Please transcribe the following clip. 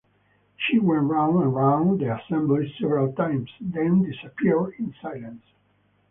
She went round and round the assembly several times, then disappeared in silence.